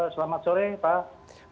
selamat sore pak